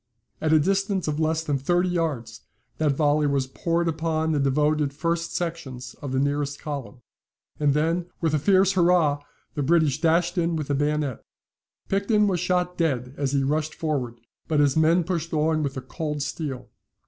At a distance of less than thirty yards that volley was poured upon the devoted first sections of the nearest column; and then, with a fierce hurrah, the British dashed in with the bayonet. Picton was shot dead as he rushed forward, but his men pushed on with the cold steel.